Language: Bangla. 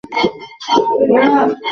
তিনি উর্দু অভিধান প্রকল্পেরও সম্পাদক ছিলেন।